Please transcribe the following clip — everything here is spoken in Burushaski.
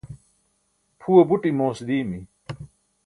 phuwe buṭ imoos diimi